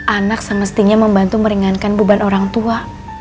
anak semestinya membantu meringankan beban orang tua